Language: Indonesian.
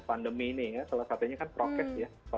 pandemi ini ya salah satunya kan prokes ya